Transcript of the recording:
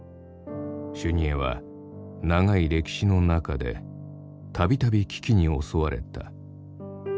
修二会は長い歴史の中で度々危機に襲われた。